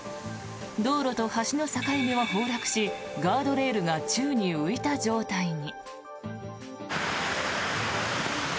道路と橋の境目は崩落しガードレールが宙に浮いた状態に。